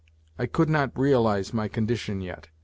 I could not realize my condition yet.